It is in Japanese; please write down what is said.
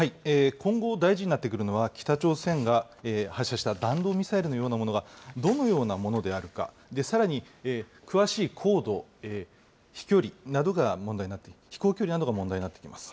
今後、大事になってくるのは、北朝鮮が発射した弾道ミサイルのようなものがどのようなものであるか、さらに、詳しい高度、飛距離などが問題になってくる、飛行距離などが問題になってきます。